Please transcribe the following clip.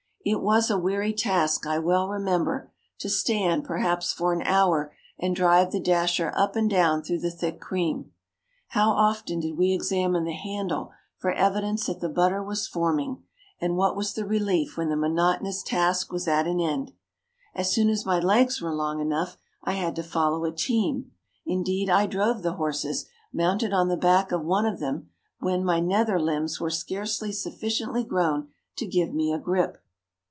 It was a weary task, I well remember, to stand, perhaps for an hour, and drive the dasher up and down through the thick cream. How often did we examine the handle for evidence that the butter was forming, and what was the relief when the monotonous task was at an end. As soon as my legs were long enough, I had to follow a team; indeed, I drove the horses, mounted on the back of one of them, when my nether limbs were scarcely sufficiently grown to give me a grip.